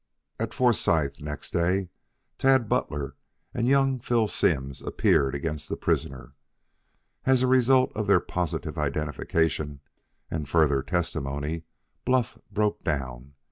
At Forsythe next day Tad Butler and young Philip Simms appeared against the prisoner. As the result of their positive identification and further testimony, Bluff broke down.